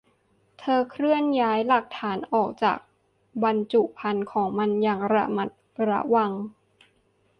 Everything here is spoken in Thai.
เธอเคลื่อนย้ายหลักฐานออกจากบรรจุภัณฑ์ของมันอย่างระมัดระวัง